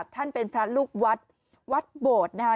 ท่านเป็นพระลูกวัดวัดโบดนะคะ